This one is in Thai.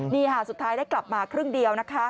นี่ค่ะสุดท้ายได้กลับมาครึ่งเดียวนะคะ